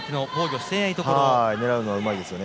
狙うのがうまいですよね。